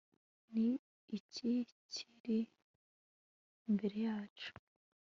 ni iki kiri imbere yacu